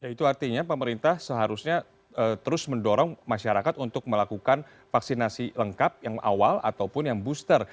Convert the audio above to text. itu artinya pemerintah seharusnya terus mendorong masyarakat untuk melakukan vaksinasi lengkap yang awal ataupun yang booster